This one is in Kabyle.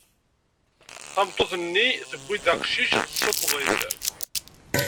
Tameṭṭut-nni tewwi aqcic, tessuṭṭeḍ-it.